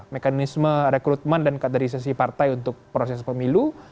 mekanisme rekrutmen dan kaderisasi partai untuk proses pemilu